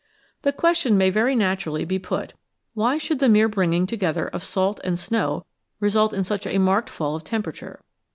The question may very naturally be put :" Why should the mere bringing together of salt and snow result in such a marked fall of temperature